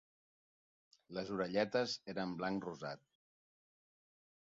Les orelletes eren blanc rosat.